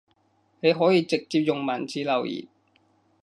你可以直接用文字留言